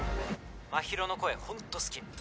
まひろの声ほんと好き。